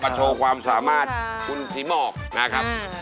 โชว์ความสามารถคุณศรีหมอกนะครับ